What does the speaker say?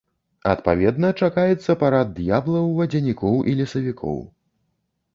Адпаведна чакаецца парад д'яблаў, вадзянікоў і лесавікоў.